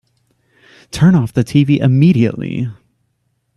Turn off the tv immediately!